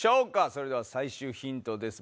それでは最終ヒントです。